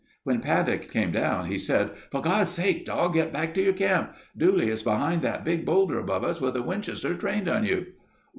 When Paddock came down he said, "For God's sake, Doc, get back to your camp. Dooley is behind that big boulder above us with a Winchester trained on you."